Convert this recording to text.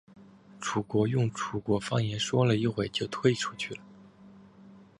楚军用楚国方言说了一会就退出去了。